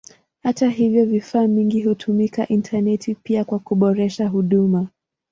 Hata hivyo vifaa vingi hutumia intaneti pia kwa kuboresha huduma.